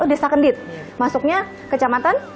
desa kendit masuknya kecamatan